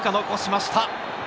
残しました。